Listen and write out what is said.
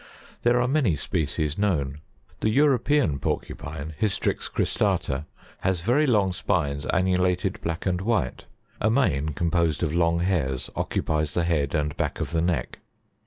There are many species known. The European Porcupine, Hystrix Cristata, has very long spines annulated black and white; a mane composed of long hairs occupies the head and back of the neck.